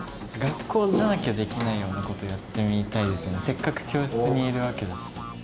せっかく教室にいるわけだし。